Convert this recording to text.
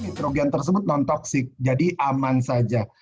nitrogen tersebut non toksik jadi aman saja